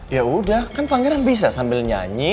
ya udah kan pangeran bisa sambil nyanyi